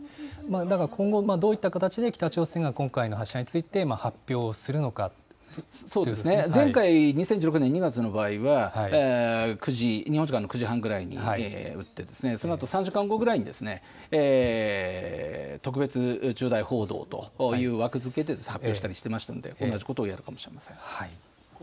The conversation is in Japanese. だから今後どういった形で北朝鮮が今回の発射について発表すそうですね、前回２０１６年２月の場合は、９時、日本時間の９時半ぐらいに撃って、そのあと３時間後ぐらいに、特別重大報道という枠付けで発表したりしてましたんで、同じことをやるかもしれません。